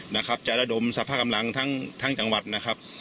นะครับจะระดมสรรพากำลังทั้งทั้งจังหวัดนะครับ